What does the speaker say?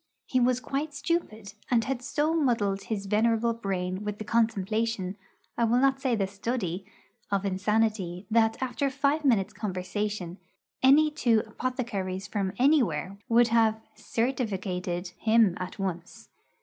He was quite stupid, and had so muddled his venerable brain with the contemplation I will not say the study of insanity, that, after five minutes' conversation, any two apothecaries from anywhere would have 'certificated' him at once.